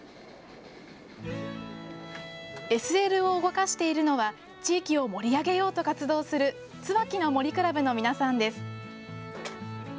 ＳＬを動かしているのは、地域を盛り上げようと活動する、椿の森倶楽部の皆さんです。